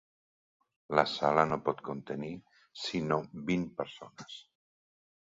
La sala no pot contenir sinó vint persones.